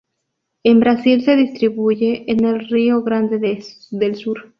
En Brasil se distribuye en el de Río Grande del Sur.